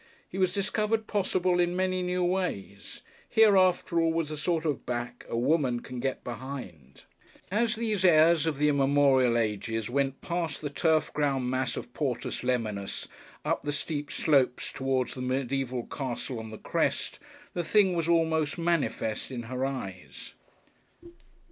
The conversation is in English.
He was discovered possible in many new ways. Here, after all, was the sort of back a woman can get behind!... As so these heirs of the immemorial ages went past the turf crowned mass of Portus Lemanus up the steep slopes towards the mediæval castle on the crest the thing was also manifest in her eyes.